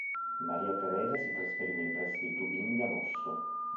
Maria Teresa si trasferì nei pressi di Tubinga mosso.